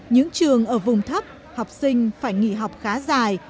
những trường ở vùng thấp học sinh phải nghỉ học khá dài